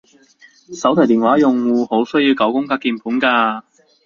手提電話用戶好需要九宮格鍵盤㗎